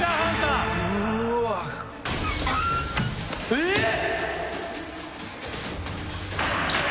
えっ！？